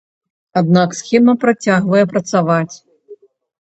Аднак схема працягвае працаваць.